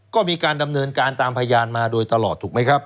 ก็มีการดำเนินการตามพยานมาโดยตลอดถูกไหมครับ